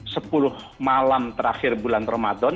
sepuluh malam terakhir bulan ramadan